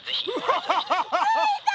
アハハハ！